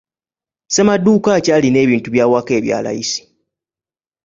Ssemaduuka ki alina ebintu by'awaka ebya layisi?